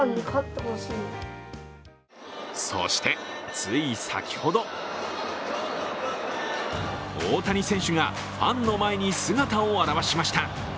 そして、つい先ほど大谷選手がファンの前に姿を現しました。